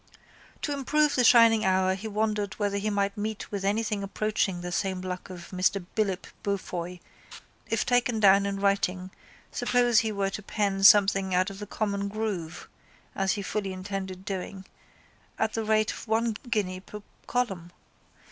To improve the shining hour he wondered whether he might meet with anything approaching the same luck as Mr Philip Beaufoy if taken down in writing suppose he were to pen something out of the common groove (as he fully intended doing) at the rate of one guinea per column.